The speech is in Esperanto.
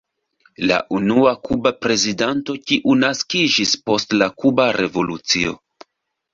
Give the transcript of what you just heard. La unua kuba prezidanto kiu naskiĝis post la kuba revolucio.